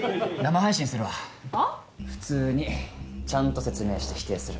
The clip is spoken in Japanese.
普通にちゃんと説明して否定する。